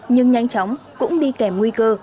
nhưng nhanh chóng cũng đi kèm nguy cơ